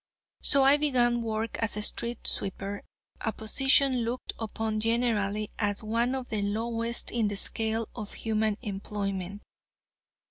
So I began work as a street sweeper a position looked upon generally as one of the lowest in the scale of human employment.